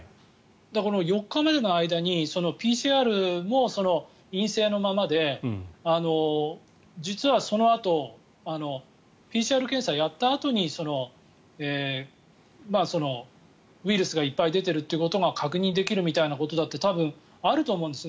この４日の間にＰＣＲも陰性のままで実はそのあとＰＣＲ検査をやったあとにウイルスがいっぱい出てるということが確認できるみたいなことだって多分、あると思うんですね。